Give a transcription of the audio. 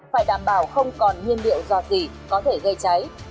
phải đảm bảo không còn nhiên liệu giọt gì có thể gây cháy